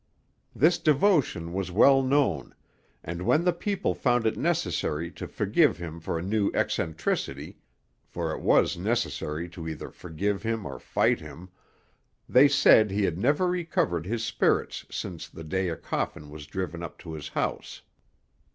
This devotion was well known; and when the people found it necessary to forgive him for a new eccentricity, for it was necessary to either forgive him or fight him, they said he had never recovered his spirits since the day a coffin was driven up to his house.